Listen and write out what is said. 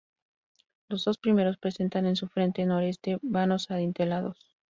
Los dos primeros presentan, en su frente noreste vanos adintelados.